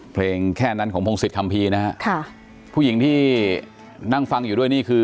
แค่นั้นของพงศิษยคัมภีร์นะฮะค่ะผู้หญิงที่นั่งฟังอยู่ด้วยนี่คือ